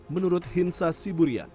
menurut hinsa siburyan